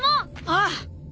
ああ。